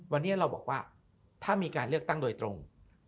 วันนี้เราบอกว่าถ้ามีการเลือกตั้งโดยตรง